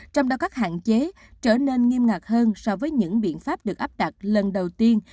trong đó các hạn chế trở nên nghiêm ngặt hơn so với những biện pháp được áp đặt lần đầu tiên